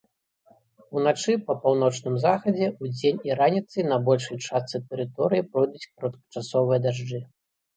Уначы па паўночным захадзе, удзень і раніцай на большай частцы тэрыторыі пройдуць кароткачасовыя дажджы.